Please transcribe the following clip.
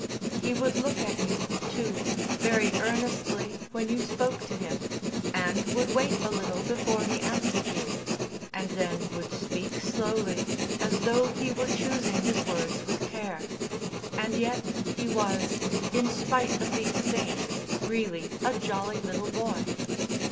He would look at you, too, very earnestly when you spoke to him, and would wait a little before he answered you, and then would speak slowly as though he were choosing his words with care. And yet he was, in spite of these things, really a "jolly little boy."